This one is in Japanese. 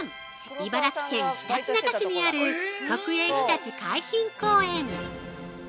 茨城県ひたちなか市にある国営ひたち海浜公園。